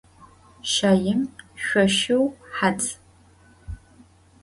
Şaim şsouşığu xadz.